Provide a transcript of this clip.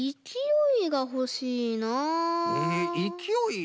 いきおい？